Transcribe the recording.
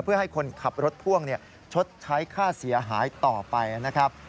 เพื่อให้คนขับรถพ่วงชดใช้ค่าเสียหายต่อไปนะครับ